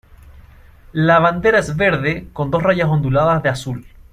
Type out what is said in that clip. La bandera es verde, con dos rayas onduladas de azul.